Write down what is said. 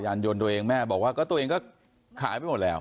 ยนต์ตัวเองแม่บอกว่าก็ตัวเองก็ขายไปหมดแล้ว